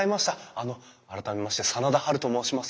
あの改めまして真田ハルと申します。